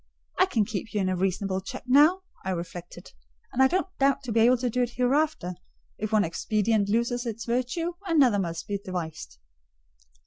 "I can keep you in reasonable check now," I reflected; "and I don't doubt to be able to do it hereafter: if one expedient loses its virtue, another must be devised."